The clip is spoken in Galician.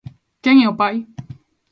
Quen é o pai?